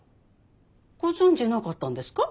ご存じなかったんですか？